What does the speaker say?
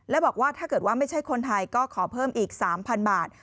และบอกว่าถ้าเกิดว่าไม่ใช่คนไทยก็ขอเพิ่มอีก๓๐๐บาท